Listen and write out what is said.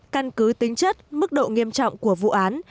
căn cứ tính chất mức độ nghiêm trọng của vụ án